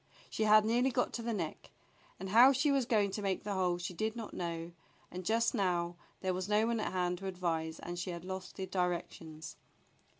She had nearly got to the neck, and how she was going to make the hole she did not know, and just now there was no one at hand to advise and she had lost the directions.